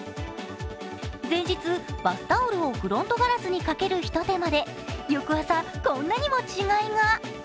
前日、バスタオルをフロントガラスに掛けるひと手間で翌朝こんなにも違いが。